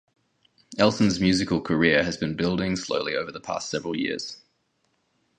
Elson's musical career has been building slowly over the past several years.